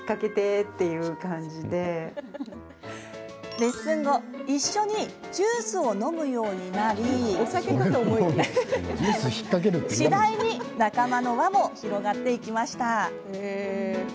レッスン後一緒にジュースを飲むようになり次第に仲間の輪も広がっていきました。